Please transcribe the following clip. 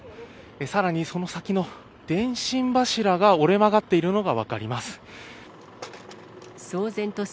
さらに、その先の電信柱が折れ曲がっているのが分かります。